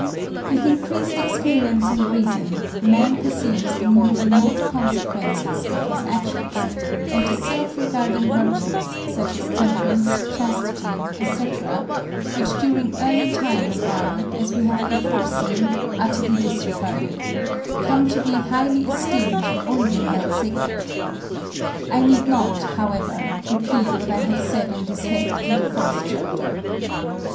With increased experience and reason, man perceives the more remote consequences of his actions, and the self regarding virtues, such as temperance, chastity, etc., which during early times are, as we have before seen, utterly disregarded, come to be highly esteemed or even held sacred. I need not, however, repeat what I have said on this head in the fourth chapter.